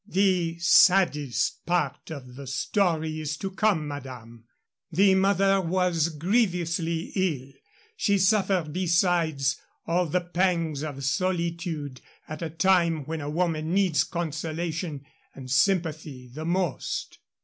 "The saddest part of the story is to come, madame. The mother was grievously ill she suffered besides all the pangs of solitude at a time when a woman needs consolation and sympathy the most.